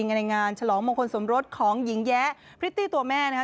ในงานฉลองมงคลสมรสของหญิงแยะพริตตี้ตัวแม่นะคะ